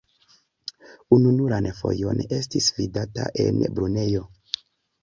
Ununuran fojon estis vidata en Brunejo.